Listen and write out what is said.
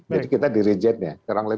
jadi kita dirijetnya